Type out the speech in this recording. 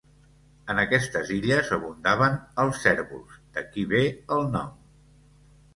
En aquestes illes abundaven els cérvols, d'aquí ve el nom.